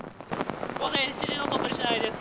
午前７時の鳥取市内です。